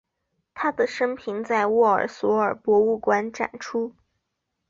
他的生平在沃尔索尔博物馆展出。